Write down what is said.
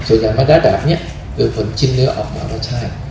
ส่วนใหญ่มารถระดับนี้คือผลชิ้นเลือดออกมาว่าใช่